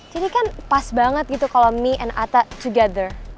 jadi kan pas banget gitu kalo me and ata together